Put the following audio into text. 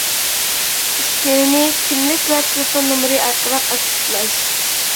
ئۈسكىنىنى كىملىك ۋە تېلېفون نومۇرى ئارقىلىق ئاكتىپلاش.